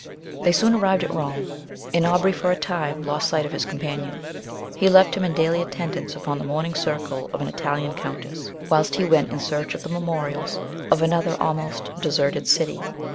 They soon arrived at Rome, and Aubrey for a time lost sight of his companion; he left him in daily attendance upon the morning circle of an Italian countess, whilst he went in search of the memorials of another almost deserted city.